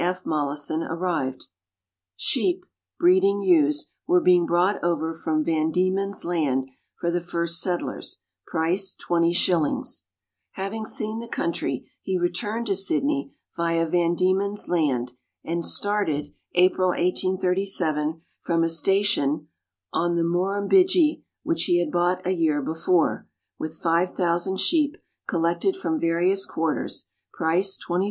F. Mollison arrived. Sheep (breeding ewes) were being brought over from Van Diemen's Land for the first settlers price 20s. Having seen the .country, he returned to Sydney, vid Van Die men's Land, and started (April 1837) from a station on the Murrum bidgee, which he had bought a year before, with 5,000 sheep (collected from various quarters, price 25s.